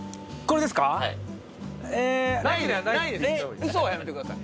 ウソはやめてください。